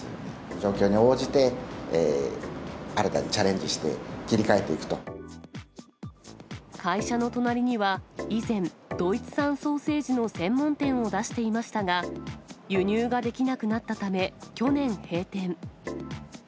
状況に応じて新たにチャレンジし会社の隣には、以前、ドイツ産ソーセージの専門店を出していましたが、輸入ができなくなったため、去年、閉店。